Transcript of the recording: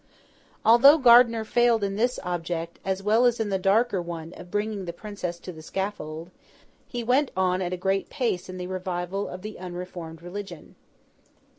Although Gardiner failed in this object, as well as in the darker one of bringing the Princess to the scaffold, he went on at a great pace in the revival of the unreformed religion.